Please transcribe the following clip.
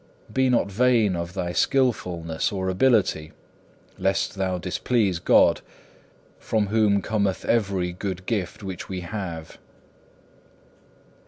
Be not vain of thy skilfulness or ability, lest thou displease God, from whom cometh every good gift which we have.